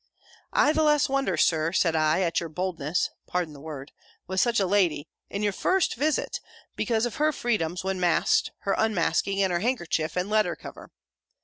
"I the less wonder, Sir," said I, "at your boldness (pardon the word!) with such a lady, in your first visit, because of her freedoms, when masked, her unmasking, and her handkerchief, and letter cover.